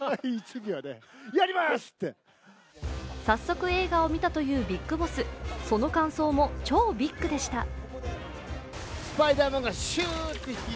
早速、映画を見たというビッグボス、その感想も超ビッグでした。